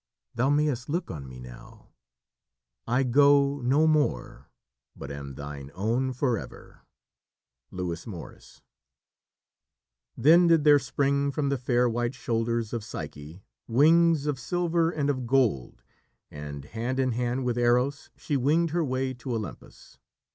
Thou mayst look on me now. I go no more, But am thine own forever." Lewis Morris. Then did there spring from the fair white shoulders of Psyche, wings of silver and of gold, and, hand in hand with Eros, she winged her way to Olympus.